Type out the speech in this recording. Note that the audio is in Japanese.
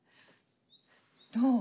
どう？